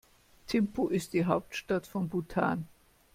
Thimphu ist die Hauptstadt von Bhutan.